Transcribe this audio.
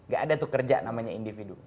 gak ada tuh kerja namanya individu